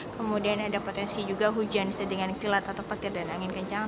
kemudian ada potensi juga hujan bisa dengan kilat atau petir dan angin kencang